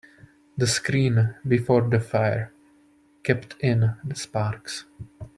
The screen before the fire kept in the sparks.